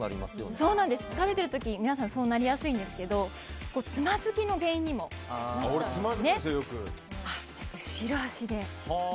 疲れている時皆さんそうなりやすいですがつまずきの原因にもなるんですね。